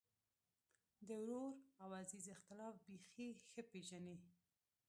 د ورور او عزیز اختلاف بېخي ښه پېژني.